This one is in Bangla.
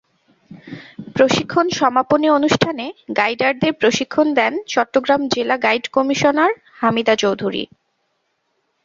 প্রশিক্ষণ সমাপনী অনুষ্ঠানে গাইডারদের প্রশিক্ষণ দেন চট্টগ্রাম জেলা গাইড কমিশনার হামিদা চৌধুরী।